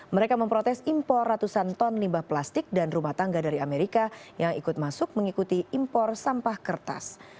mereka memprotes impor ratusan ton limbah plastik dan rumah tangga dari amerika yang ikut masuk mengikuti impor sampah kertas